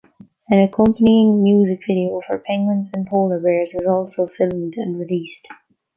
An accompanying music video for "Penguins and Polarbears" was also filmed and released.